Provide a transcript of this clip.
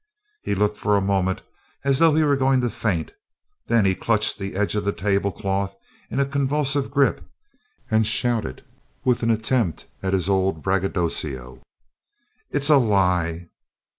He looked for a moment as though he were going to faint, then he clutched the edge of the table cloth in a convulsive grip, and shouted with an attempt at his old braggadocio: "It's a lie!"